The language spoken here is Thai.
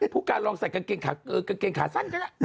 ผู้การลองใส่กางเกงขาสั้นก็ได้